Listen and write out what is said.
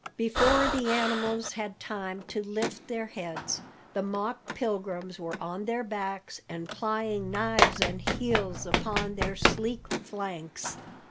Before the animals had time to lift their heads, the mock pilgrims were on their backs and plying knives and heels upon their sleek flanks.